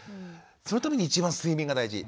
そのために一番睡眠が大事。